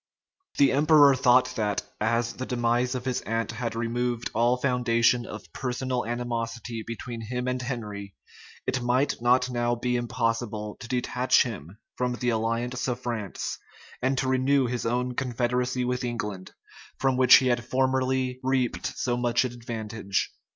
[] The emperor thought that, as the demise of his aunt had removed all foundation of personal animosity between him and Henry, it might not now be impossible to detach him from the alliance of France, and to renew his own confederacy with England, from which he had formerly reaped so much advantage.